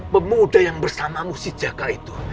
pemuda yang bersamamu sejak itu